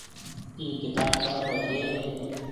اي ڪيتآب پڙ رو ڇي۔